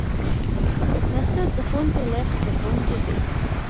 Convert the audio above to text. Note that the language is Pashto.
نصرت د ښوونځي لایق زده کوونکی دی